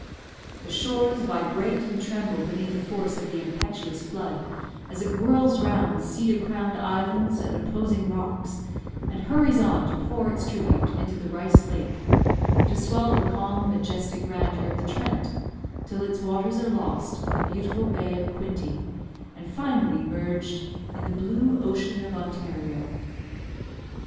The shores vibrate and tremble beneath the force of the impetuous flood, as it whirls round cedar crowned islands and opposing rocks, and hurries on to pour its tribute into the Rice Lake, to swell the calm, majestic grandeur of the Trent, till its waters are lost in the beautiful bay of Quinte, and finally merged in the blue ocean of Ontario.